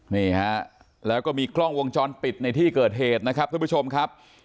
นี่ฮะแล้วก็มีกล้องวงจรปิดในที่เกิดเหตุนะครับทุกผู้ชมครับ